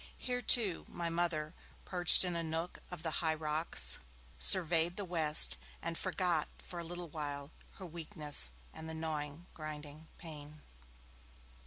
Here, too, my Mother, perched in a nook of the high rocks, surveyed the west, and forgot for a little while her weakness and the gnawing, grinding pain.